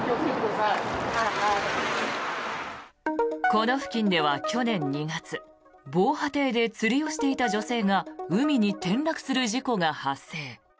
この付近では去年２月防波堤で釣りをしていた女性が海に転落する事故が発生。